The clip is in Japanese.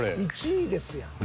［１位ですやん］